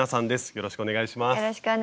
よろしくお願いします。